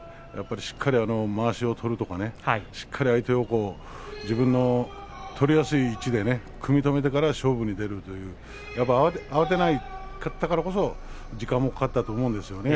しっかりまわしを取るとかしっかり相手を自分の取りやすい位置で組み止めてから勝負に出るとか慌てなかったからこそ時間もかかったと思うんですね。